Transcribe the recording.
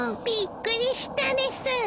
びっくりしたです。